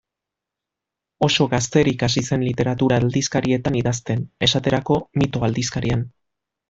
Oso gazterik hasi zen literatura aldizkarietan idazten, esaterako, Mito aldizkarian.